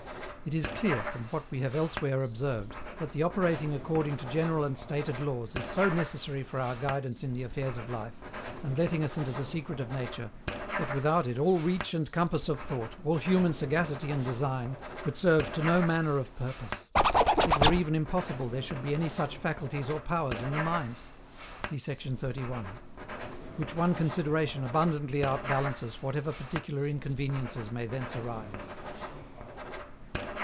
It is clear, from what we have elsewhere observed, that the operating according to general and stated laws is so necessary for our guidance in the affairs of life, and letting us into the secret of nature, that without it all reach and compass of thought, all human sagacity and design, could serve to no manner of purpose; it were even impossible there should be any such faculties or powers in the mind. See sect. 31. Which one consideration abundantly outbalances whatever particular inconveniences may thence arise.